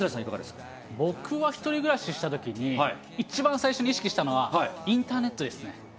僕は１人暮らししたときに、一番最初に意識したのはインターネットですね。